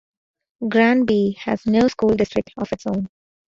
Granby has no school district of its own.